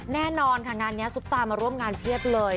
แน่นอนค่ะงานนี้ซุปตามาร่วมงานเพียบเลย